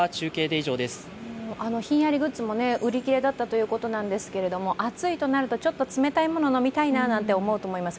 ひんやりグッズも売り切れだったということですけれども、暑いとなると冷たいもの飲みたいなんて思うと思います。